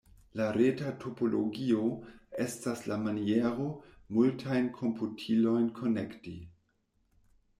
La reta topologio estas la maniero, multajn komputilojn konekti.